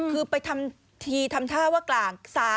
คือไปทำทีทำท่าว่ากลาง